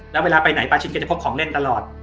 แล้วเวลาไปไหนปลาชิ้นก็จะพกของเล่นตลอด